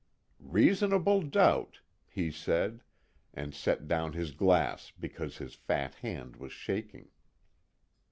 "Reasonable doubt!" he said, and set down his glass because his fat hand was shaking.